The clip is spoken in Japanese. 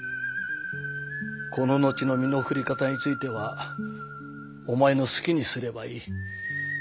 この後の身の振り方についてはお前の好きにすればいい。